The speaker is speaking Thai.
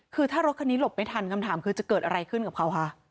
คือถ้ารถคันนี้หลบไม่ทันคำถามคือจะเกิดอะไรขึ้นกับเขาคะ